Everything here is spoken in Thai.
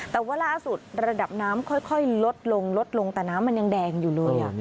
แต่ว่าล่าสุดระดับน้ำค่อยลดลงลดลงแต่น้ำมันยังแดงอยู่เลย